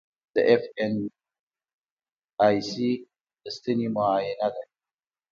د ایف این ای سي د ستنې معاینه ده.